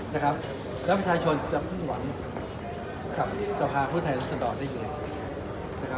และประชาชนจะฝึกหวังกับสภาผู้ทัศน์ดอนได้อย่างไร